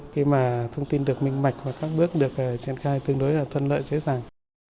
khi mà thông tin được minh mạch và các bước được triển khai tương đối là thuận lợi dễ dàng